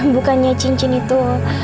bukannya cincin itu